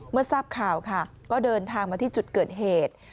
เมื่อทราบข่าวค่ะก็เดินทางมาที่จุดเกิดเหตุ